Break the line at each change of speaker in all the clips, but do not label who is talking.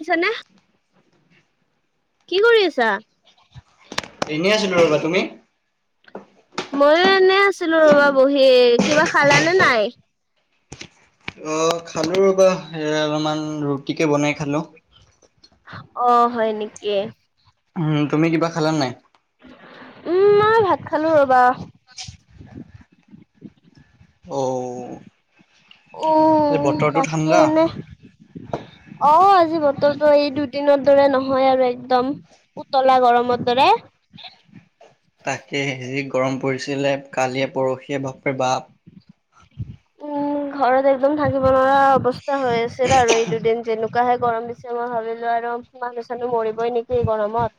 পিছানে কি কৰি আছা?
এনেই আছিলোঁ ৰ'বা। তুমি?
ময়ো এনে আছিলোঁ ৰবা বহি। কিবা খালা নে নাই?
অ' খালোঁ ৰবা অলপমান ৰুটিকে বনাই খালোঁ।
অ' হয় নেকি?
হুম। তুমি কিবা খালা নাই?
উম, মই ভাত খালোঁ ৰ'বা।
অ'।
অ'
বতৰটো
বাকী
ঠাণ্ডা।
এনে অ' আজি বতৰটো এই দুদিনৰ দৰে নহয় আৰু একদম। উতলা গৰমৰ দৰে।
তাকে যি গৰম পৰিছিলে কালিয়ে পৰহিয়ে বাপৰে বাপ।
উম, ঘৰত একদম থাকিব নোৱাৰা অৱস্থা হৈ আছিল আৰু এই দুদিন যেনে উুকাহে গৰম দিছে মই ভাবিলোঁ আৰু মানুহ চানো মৰিবই নেকি এই গৰমত।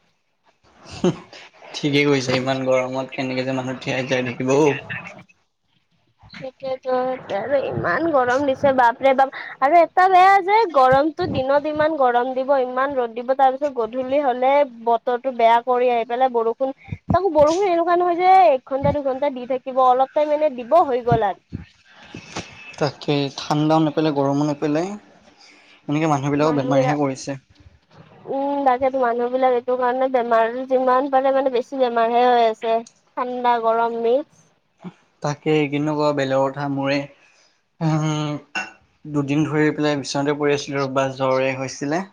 ঠিকে কৈছো, ইমান গৰমত কেনেকে যে মানুহ ঠিয়াই জীয়াই থাকিব।
সেইটোৱেতো আৰু ইমান গৰম দিছে বাপৰে বাপ। আৰু এটা বেয়া যে গৰমটো দিনত ইমান গৰম দিব ইমান ৰ'দ দিব তাৰপিছত গধূলি হ'লে বতৰটো বেয়া কৰি আহি পেলাই বৰষুণ তাকো বৰষুণ এনেকুৱা নহয় যে এক ঘণ্টা দুঘণ্টা দি থাকিব, অলপ টাইম এনে দিব হৈ গ'ল আৰু।
তাকে ঠাণ্ডাও নেপেলাই গৰমো নেপেলাই এনেকে
আৰু
মানুহবিলাকক
মানুহ
বেমাৰীহে
বিলাক
কৰিছে।
[inaudible] উম, তাকেতো মানুহবিলাক এইটো কাৰণে বেমাৰ, যিমান পাৰে মানে বেছি বেমাৰহে হৈ আছে। ঠাণ্ডা গৰম মিক্স।
তাকে কিনো ক'বা বেলেগৰ কথা মোৰেই। দুদিন ধৰি পেলাই বিচনাতে পৰি আছিলোঁ ৰ'বা জ্বৰে হৈছিলে।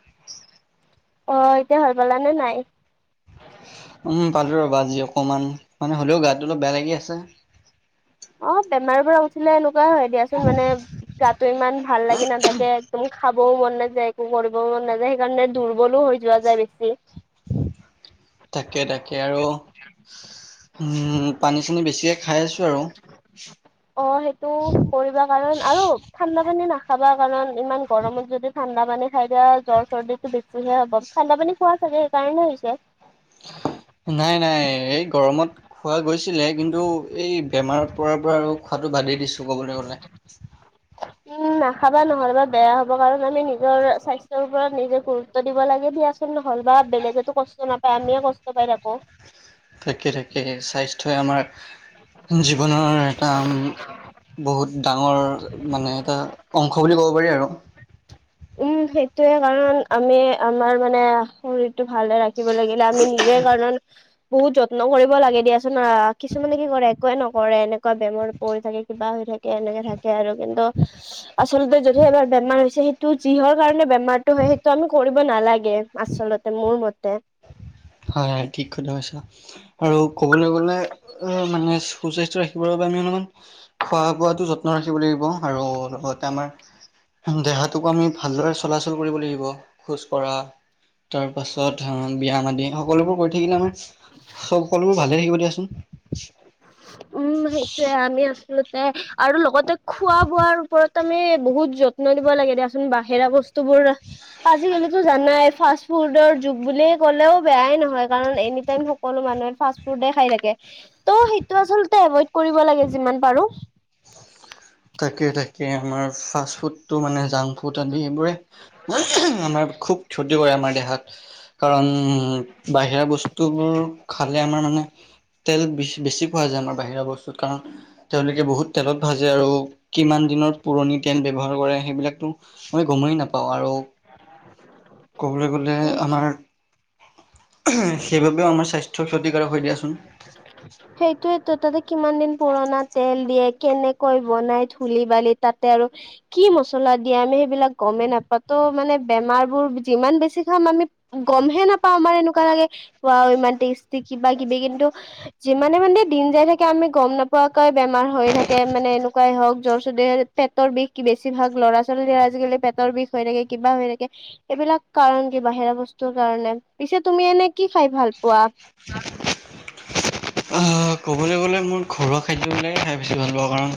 অ' এতিয়া ভাল পালানে নাই?
উম, পালো ৰ'বা আজি অকমান, মানে হ'লেও গাটো অলপ বেয়া লাগি আছে।
অ' বেমাৰৰপৰা উঠিলে এনেকুৱা হয় দিয়াচোন মানে গাটো ইমান ভাল লাগি নাথাকে। মোক খাবও মন নাযায়, একো কৰিবও মন নাযায় সেইকাৰণে দুৰ্বলো হৈ যোৱা যায় বেছি।
তাকে তাকে। আৰু উম, পানী চানী বেছিকে খাই আছোঁ আৰু।
[inaudible] অ' সেইটো কৰিবা কাৰণ আৰু ঠাণ্ডা পানী নাখাবা কাৰণ ইমান গৰমত যদি ঠাণ্ডা পানী খাই দিয়া জ্বৰ চৰ্দিটো বেছিহে হ'ব। ঠাণ্ডা পানী খোৱা চাগে সেইকাৰণে হৈছে।
নাই নাই, এই গৰমত খোৱা গৈছিলে কিন্তু এই বেমাৰত পৰাৰপৰা আৰু খোৱাটো বাদেই দিছোঁ ক'বলৈ গ'লে।
উম, নাখাবা নহ'লেবা বেয়া হ'ব কাৰণ আমি নিজৰ স্বাস্থ্যৰ ওপৰত নিজে গুৰুত্ব দিব লাগে দিয়াছ নহ'ল বা বেলেগেতো কষ্ট নাপায় আমিয়ে কষ্ট পাই থাকোঁ।
তাকে তাকে। স্বাস্থ্যই আমাক জীৱনৰ এটা বহুত ডাঙৰ ডাঙৰ মানে এটা অংশ বুলি ক'ব পাৰি আৰু।
উম, সেইটোয়ে কাৰণ আমি আমাৰ মানে শৰীৰটো ভালে ৰাখি দিব লাগিলে আমি নিজেই কাৰণ বহুত যত্ন কৰিব লাগে দিয়াচোন। আ, কিছুমানে কি কৰে একোৱে নকৰে এনেকুৱা বেমাৰত পৰি থাকে কিবা হৈ থাকে এনেকে থাকে আৰু কিন্তু আচলতে যদিহে এবাৰ বেমাৰ হৈছে সেইটো যিহৰ কাৰণে বেমাৰটো হয় সেইটো আমি কৰিব নালাগে। আচলতে মোৰ মতে।
হয় হয় ঠিক কথা কৈছা। আৰু ক'বলৈ গ'লে মানে সুস্বাস্থ্য ৰাখিবৰ বাবে আমি অলপমান খোৱা বোৱাটো যত্ন ৰাখিব লাগিব আৰু লগতে আমাৰ দেহাটোকো আমি ভালদৰে চলাচল কৰিব লাগিব। খোজ কঢ়া তাৰপাছত বিয়াম আদি হওক সকলোবোৰ কৰি থাকিলে আমাৰ চব সকলোবোৰ ভালে থাকিব দিয়াচোন।
উম, সেইটোয়ে আমি আচলত [unintelligible] আৰু লগতে খোৱা বোৱাৰ ওপৰত আমি বহুত যত্ন দিব লাগে দিয়াচোন বাহিৰা বছ [unintelligible] আজি কালিতো জানায় ফাষ্ট ফুডৰ যু বুলি ক'লেও বেয়াই নহয় কাৰণ এনিটাইম সকলো মানুহে ফাষ্ট ফুডে খাই থাকে ত' [unintelligible] আচলতে এভইড কৰিব লাগে যিমান পাৰোঁ।
তাকে তাকে আমাৰ ফাষ্ট ফুডটো মানে জা [unintelligible] এইবোৰে আমাৰ খুব ক্ষতি কৰে আমাৰ দেহাত। কাৰণ বাহিৰা বস্তুবোৰ খালে আমাৰ মানে তেলত বেছ বেছি পোৱা যায় আমাৰ বাহিৰা বস্তুত কাৰণ তেওঁলোকে বহুত তেলত ভাজে আৰু কিমান দিনৰ পুৰণি তেল ব্যৱহাৰ কৰে সেইবিলাকতো আমি গমেই নাপাওঁ আৰু ক'বলৈ গ'লে
উম
আমাৰ সেইবাবেও আমাৰ স্বাস্থ্যৰ ক্ষতিকাৰক হৈ দিয়াচোন।
[unintelligible] সেইটোয়েতো তাতে কিমান দিন পুৰণা তেল দিয়ে কেনেকৈ বনাই ধূুলি বালি তাতে আৰু কি মছলা দিয়ে আমি সেইবিলাক গমেই নাপাওঁ ত' মানে বেমাৰবোৰ যিমান বেছি খাম আমি গমহে নাপাওঁ আমাৰ এনেকুৱা লাগে, ইমান টেষ্টি কিবা কিবি কিন্তু যিমানে মানে দিন যাই থাকে আমি গম নপোৱাকৈ বেমাৰ হৈ থাকে মানে এনেকুৱাই হওঁক জ্বৰ চৰ্দি পেটৰ বিষ বেছি ভাগ ল'ৰা ছোৱালী আজিকালি পেটৰ বিষ হৈ থাকে কিবা হৈ থাকে। এইবিলাক কাৰণ কি বাহিৰা বস্তুৰ কাৰণে, পিছে তুমি এনে কি খাই ভাল পোৱা? [inaudible]
অ' ক'বলৈ গ'লে মোৰ ঘৰুৱা খাদ্যবিলাকেই খাই বেছি ভাল পাওঁ কাৰণ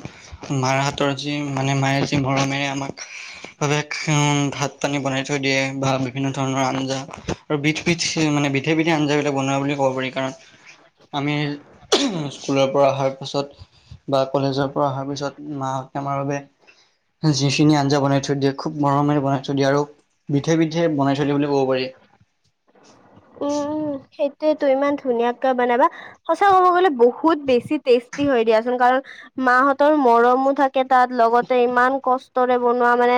মাৰ হাতৰ যি মানে মায়ে যি মৰমৰে আমাক বাবে উম, ভাত পানী বনাই থৈ দিয়ে বা বিভিন্ন ধৰণৰ আঞ্জা আৰু বিধ পিঠ মানে বিধে বিধে আঞ্জাবিলাক বনোৱা বুলি ক'ব পাৰি কাৰণ আমি স্কুলৰ পৰা অহাৰ পাছত বা কলেজৰ পৰা অহাৰ পিছত মাহক আমাৰ বাবে যি খিনি আঞ্জা বনাই থৈ দিয়ে খুব মৰমৰে বনাই থৈ দিয়ে আৰু বিধে বিধে বনাই থৈ দিয়ে বুলি ক'ব পাৰি।
উম, উম, সেইটোৱেতো ইমান ধুনীয়াকে বনাবা সঁচা ক'ব গ'লে বহুত বেছি টেষ্টি হৈ দিয়াচোন কাৰণ মাহঁতৰ মৰমো থাকে তাত লগতে ইমান কষ্টৰে বনোৱা মানে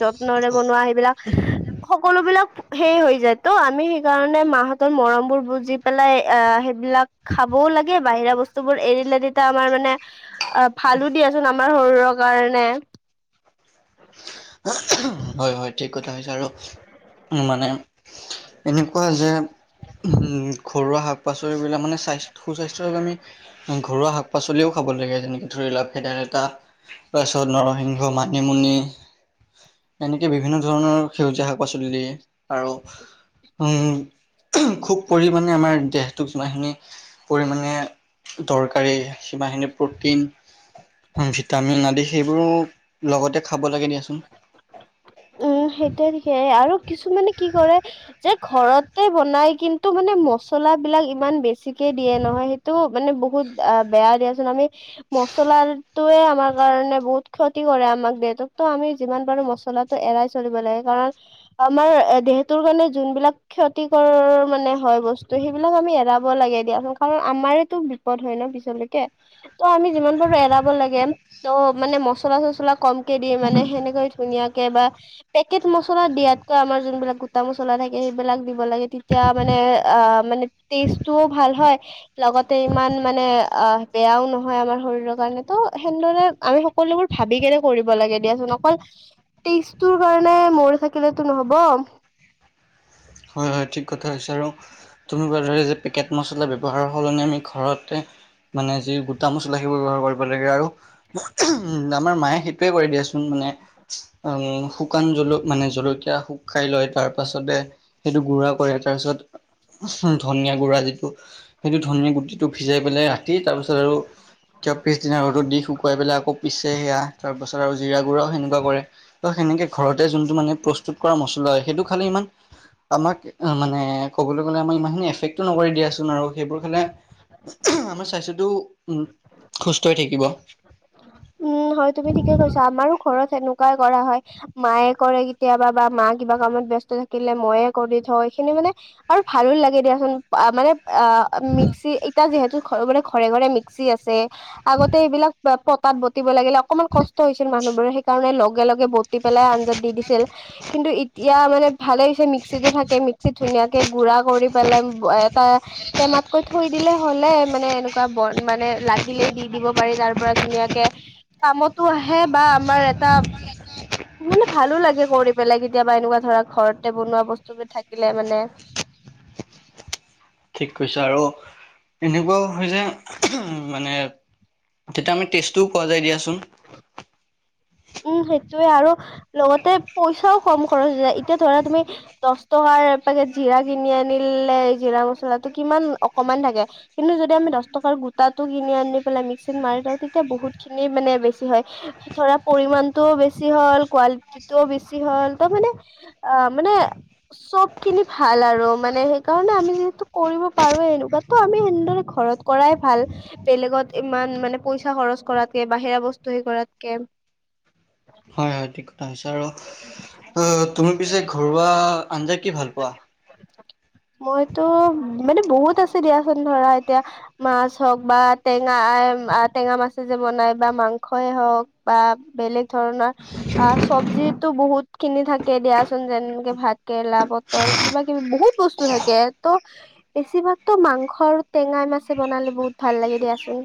যত্নৰে বনোৱা সেইবিলাক, সকলো বিলাক সেই হৈ যায় ত' আমি কাৰণে মাহঁতৰ মৰমবোৰ বুজি পেলাই অ' সেইবিলাক খাবও লাগে বাহিৰা বচ বস্তুবোৰ এৰিলে তেতিয়া আমাৰ মানে অ' ভালো দিয়াচোন আমাৰ শৰীৰৰ কাৰণে।
হয় হয় ঠিক কথা কৈছা আৰু মানে এনেকুৱা যে উম, ঘৰুৱা শাক পাচলিবিলাক মানে স্বাস্থ্য সুস্বাস্থ্যৰ আমি ঘৰুৱা শাক পাচলিও খাব লাগে যেনেকৈ ধৰি লোৱা ভেদাই লতা। তাৰপিছত নৰসিংহ, মানিমুনি। এনেকে বিভিন্ন ধৰণৰ সেউজীয়া শাক পাচলি আৰু উম, খুব পৰিমাণে আমাৰ দেহটোক যিমান খিনি পৰিমাণে দৰকাৰী সিমানখিনি প্ৰ'টিন ভিটামিন আদি সেইবোৰো লগতে খাব লাগে দিয়াচোন।
উম, সেইটোয়ে [unintelligible] আৰু কিছুমানে কি কৰে যে ঘৰতে বনাই কিন্তু মানে মছলা বিলাক ইমান বেছি [unintelligible] দিয়ে নহয় সেইটো মানে বহুত অ' বেয়া দিয়াচোন আমি মছলাটোৱে আমাৰ কাৰণে বহুত ক্ষতি কৰে আমাক দেউতাকতো আমি যিমান পাৰো মছলাটো এৰাই চলিব লাগে কাৰণ আমাৰ দেহতৰ কাৰণে যোনবিলাক ক্ষতিকৰ মানে হয় বস্তু সেইবিলাক আমি এৰাব লাগে দিয়াচোন কাৰণ আমাৰতো পদ হয় ন' পিছলৈকে। ত' আমি যিমান পাৰো এৰাব লাগে, ত' মানে মছলা চছলা কমকে দি মানে সেনেকৈ ধুনীয়াক বা পেকেট মছলা দিয়াতকৈ আমাৰ যোনবিলাক গো মা চলা থাকে সেইবিলাক দিব লাগে তেতিয়া মানে অ মানে টেষ্টটোও ভাল হয় লগতে ইমান মানে অ বেয়াও নহয় আমাৰ শৰীৰৰ কাৰণে ত সেনেদৰে আমি সকলোবোৰ ভাবি কেনে কৰিব লাগে দিয়াচোন অকল ট তৰ কাৰণে মৰি থাকিলেেতো নহব
হয় হয় ঠিক কথা হৈছে আৰু তুম যে কেেট মছলা ব্যৱহাৰৰ সলনি আমি ঘৰতে মানে যি গোটা মছলা সেইবোৰ ব্যৱহাৰ কৰিব লাগে আৰু উ আমাৰ মায়ে সেইটোৱে কৰি দিয়েচোন মানে উ শুকান জ মানে জলকীয়া শুককাই লয় তাৰ পাছতে সেইটো গুৰাা কৰে তাৰ পিছত ধনিয়া গুড়া যিটো সেইটো ধনিয়া গুটিটো ভিজাই পেলাই ৰাতি তাৰপিছত আৰু কিয় পিছদিনা ৰ'দত দি শুকুৱাই পেলাই আকৌ পিছে সেয়া, তাৰ পাছত আৰু জিৰা গুড়াওঁ সেনেকুৱা কৰে। ত সেনেকে ঘৰতে যোনটো মানে প্ৰস্তুত কৰা মছলা হয় সেইটো খালে ইমান আমাক মানে ক'বলৈ গ'লে আমাক ইমানখিনি এফেক্টো নকৰি দিয়াচোন আৰু সেইবোৰ খালে আমাৰ স্বাস্থ্যটো উম সুস্থ হৈ থাকিব
উম হয় তুমি ঠিকে কৈছা আমাৰো ঘৰত সেনেকুৱাই কৰা হয় মায়ে কৰে কেতিয়াবা বা মা কিবা কামত ব্যস্ত থাকিলে মইয়ে কৰি থওঁ এইখিনি মানে আৰু ভালো লাগে দিয়াচোন মানে অ মিক্সি এতিয়া যিহেতু ঘ ঘৰে ঘৰে মিক্সি আছে আগতে এইবিলাক তাত বটিব লাগিলে অকনমান কষ্ট হৈছিল মানুহবোৰে সেইকাৰণে লগে লগে বটি পেলাই আঞ্জাত দি দিছিল কিন্তু এতিয়া মানে ভালে হৈছে মিক্সিতো থাকে মিক্সিত ধুনীয়াকে গুড়া কৰি পেলাই এটা টেমাতকৈ থৈ দিলে হলে মানে এনেকুৱা বন মানে লাগিলেই দি দিব পাৰি তাৰ পৰা ধুনীয়াক কামতো আহে বা আমাৰ এটা মানে ভালো লাগে কৰি পেলাই কেতিয়াবা এনেকুৱা ধৰা ঘৰতে বনোৱা বস্তু বিধ থাকিলে মানে
ঠিক কৈছে আৰু এনেকুৱাও যে মানে তেতিয়া আমি টেষ্টটোও পোৱা যায় দিয়াচোন
উম সেইটোয়ে আৰু লগতে পইচাও কম খৰচ হৈ যায় এতিয়া ধৰা তুমি দচ টকাৰ পেকেট জিৰা কিনি আনিলে জিৰা মচলাটো কিমান অকমান থাকে কিন্তু যদি আমি দহ টকাৰ গোটাটো কিনি আনি পেলাই মিক্সিত মাৰি থওঁ তেতিয়া বহুতখিনি মানে বেছি হয় ধৰা পৰিমণতটোও বেছি হ'ল কোৱালিটিটোও বেছি হ'ল তাৰ মানে অ মানে চব খিনি ভাল আৰু মানে সেইকাৰণে আমি যিহেতু কৰিব পাৰোে এনেকুৱা তো আমি সনেদৰে ঘৰত কৰাই ভাল বেলেগত ইমান মানে পইচা খৰচ কৰাতকে বাহিৰা বস্তু হে কৰাতকে অ
অজ্ঞা হৈছে আৰু অ তুমি পিছে ঘৰুৱা আঞ্জা কি ভাল পোৱা
মইতো মানে বহুত আছে দিয়াচোন ধৰা এতিয়া মাছ হওক বা টেঙা টেঙা মাছে যে বনাই বা মাংসই হওক বা বেলেগ ধৰণৰ আ চব্জিো বহুতখিনি থাকে দিয়াচোন যেনেকে ভাত কেৰেলা পটল কিবা কিবি বহুত বস্তু থাকে ত বেছিভাগ তো মাংস আৰু টেঙাই মাছে বনালে বহুত ভাল লাগে দিয়াচোন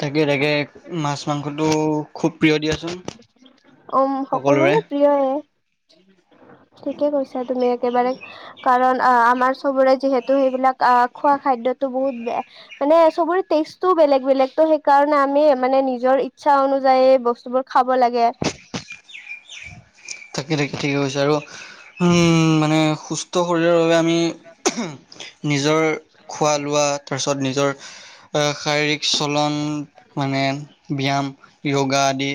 তাকে তাকে মাছ মাংসটো খুব প্ৰিয় দিয়া
উম সকলোৰে প্ৰিয়ে ঠিকে কৈছা তুমি একেবাৰে কাৰণ আহ আমাৰ চবৰে যিহেতু সেইবিলাক আহ খোৱা খাদ্্যতো বহুত বে মানে চবৰে টেষ্টটোও বেলেগ বেলেগ ত সেইকাৰণে আমি মানে নিজৰ ইচ্ছা অনুযায়ী বস্তুবোৰ খাব লাগে
থাকি থাকি ঠিকেই গছে আৰু মানে সুস্থ শৰীৰৰ বাবে আমি নিজৰ খোৱা লোৱা তাৰ [unintelligible] নিজৰ শাৰীৰিক চলন মানে ব্যায়াম যোগা আদি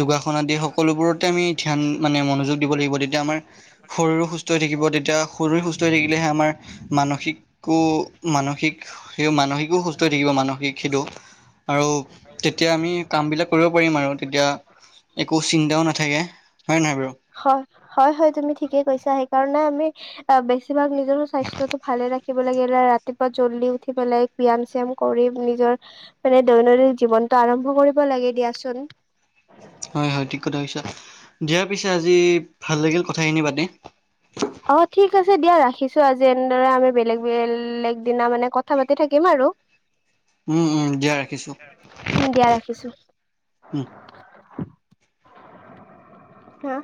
যোগাসন আদি সকলোবোৰতে আমি ধ্যান মানে মনোযোগ দিব লাগিব তেতিয়া আমাৰ শৰীৰো সুস্থ হৈ থাকিব তেতিয়া শৰীৰো সুস্থ হৈ থাকিলেহে আমাৰ মানসিকো মানসিক সেই মানসিকো সুস্থ হৈ থাকিব মানসিক সিটো। আৰু তেতিয়া আমি কামবিলাক কৰিব পাৰিম আৰু তেতিয়া একো চিন্তাও নাথাকে। হয়নে নহয় বাৰু?
হয়। হয় হয় তুমি ঠিকেই কৈছা সেইকাৰণে আমি অ' বেছিভাগ নিজৰো স্বাস্থ্যটো ভালে ৰাখিব লাগিলে ৰাত ৰাতিপুৱা জল্দি উঠি পেলাই ব্যায়াম চিয়াম কৰি নিজৰ মানে দৈনন্দিন জীৱনটো আৰম্ভ কৰিব লাগে দিয়াচোন।
হয় হয় ঠিক কথা কৈছা। দিয়া পিছে আজি ভাল লাগিল কথাখিনি পাতি।
অ' ঠিক আছে দিয়া ৰাখিছোঁ আজি, এনেদৰে আমি বেলেগ বেলেগ দিনা মানে কথা পাতি থাকিম আৰু।
উম, উম দিয়া ৰাখিছোঁ।
উম, দিয়া ৰাখিছোঁ।
উম।
হা?